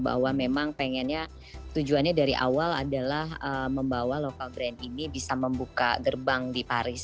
bahwa memang pengennya tujuannya dari awal adalah membawa local brand ini bisa membuka gerbang di paris